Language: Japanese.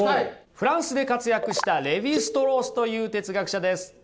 フランスで活躍したレヴィ＝ストロースという哲学者です。